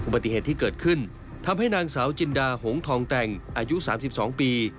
ปฏิเหตุที่เกิดขึ้นทำให้นางสาวจินดาหงทองแต่งอายุ๓๒ปี